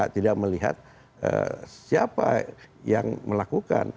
tidak melihat siapa yang melakukan